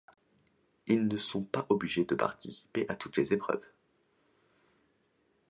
Ils ne sont pas obligés de participer à toutes les épreuves.